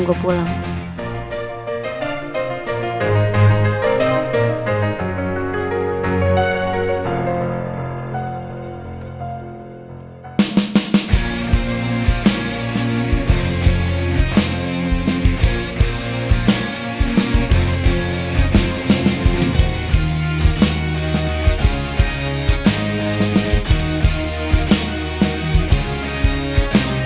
gak usah kegiatan ya